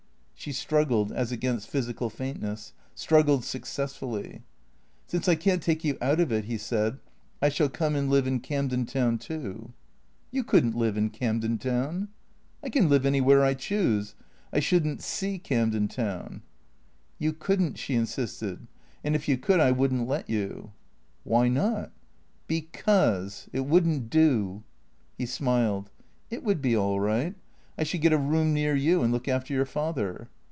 She struggled as against physical faintness, struggled success fully. " Since I can't take you out of it," he said, " I shall come and live in Camden Town too." " You could n't live in Camden Town." " I can live anywhere I choose. I should n't see Camden Town." " You could n't," she insisted. " And if you could I would n't let you." "Why not?" " Because — it would n't do." He smiled. " It would be all right. I should get a room near you and look after your father."